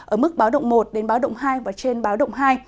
ở mức báo động một đến báo động hai và trên báo động hai